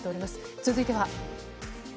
続いては。